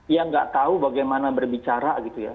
ya nggak tahu bagaimana berbicara gitu ya